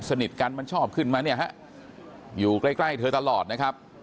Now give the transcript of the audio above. สนิทกันมันชอบขึ้นมาเนี่ยฮะอยู่ใกล้เธอตลอดนะครับ